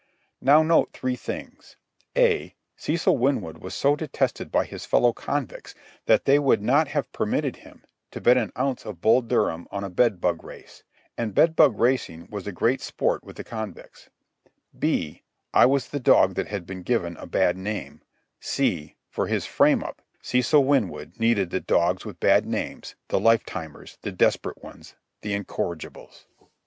Now note three things: (a) Cecil Winwood was so detested by his fellow convicts that they would not have permitted him to bet an ounce of Bull Durham on a bed bug race—and bed bug racing was a great sport with the convicts; (b) I was the dog that had been given a bad name: (c) for his frame up, Cecil Winwood needed the dogs with bad names, the lifetimers, the desperate ones, the incorrigibles.